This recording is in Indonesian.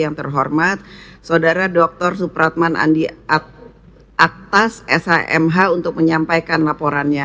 yang terhormat saudara dr supratman andi atas shmh untuk menyampaikan laporannya